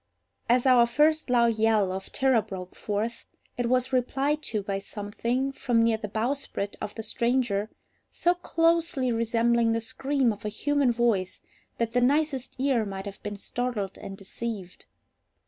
As our first loud yell of terror broke forth, it was replied to by something, from near the bowsprit of the stranger, so closely resembling the scream of a human voice that the nicest ear might have been startled and deceived.